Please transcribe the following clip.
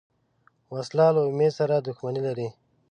وسله له امید سره دښمني لري